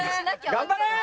頑張れー！